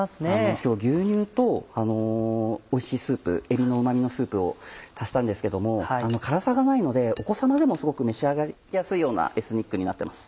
今日は牛乳とおいしいスープえびのうま味のスープを足したんですけども辛さがないのでお子様でもすごく召し上がりやすいようなエスニックになっています。